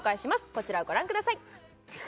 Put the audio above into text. こちらをご覧ください